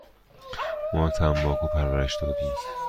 ما تنباکو پرورش دادیم.